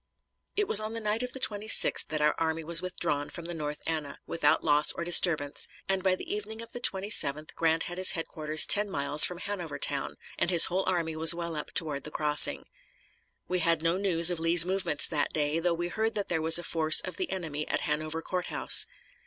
It was on the night of the 26th that our army was withdrawn from the North Anna, without loss or disturbance, and by the evening of the 27th Grant had his headquarters ten miles from Hanovertown, and his whole army was well up toward the crossing. We had no news of Lee's movements that day, though we heard that there was a force of the enemy at Hanover Courthouse.